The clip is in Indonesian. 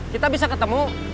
kita bisa ketemu